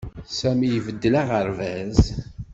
Sami ibeddel aɣerbaz.